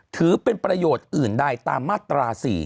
ถือเป็นประโยชน์อื่นใดตามมาตรา๔